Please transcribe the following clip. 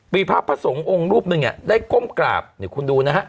มีภาพพระสงฆ์องค์รูปหนึ่งได้ก้มกราบเนี่ยคุณดูนะฮะ